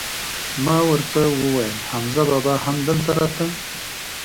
ما ور ته وویل: حمزه بابا هم دلته راته؟